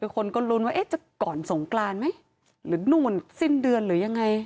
คนก็ลุ้นว่าเอ๊ะจะก่อนสงกรานไหมหรือนู่นสิ้นเดือนหรือยังไง